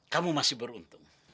kamu masih beruntung